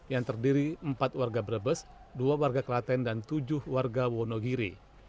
yang terdiri empat warga brebes dua warga klaten dan tujuh warga wonogiri